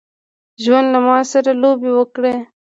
ژوند له ماسره لوبي وکړي.